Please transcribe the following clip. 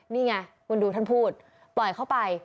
นี่ไงคุณดูท่านพูดปล่อยเข้าไป